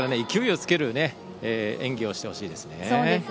勢いをつける演技をしてほしいですね。